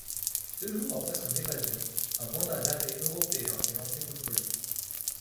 Deux jours après son évasion, un mandat d'arrêt européen est lancé contre lui.